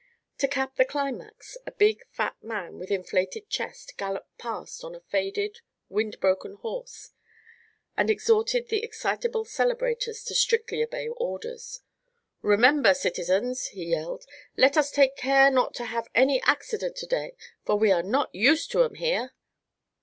To cap the climax, a big, fat man with inflated chest galloped past on a faded, wind broken horse, and exhorted the excitable celebrators to strictly obey orders. "Remember, citizens," he yelled, "let us take care not to have any accident to day, for we are not used to 'em here!"